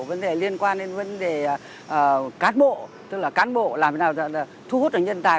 vấn đề liên quan đến vấn đề cán bộ tức là cán bộ làm thế nào là thu hút được nhân tài